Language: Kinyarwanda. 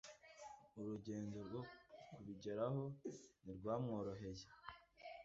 urugendo rwo kubigeraho ntirwamworoheye.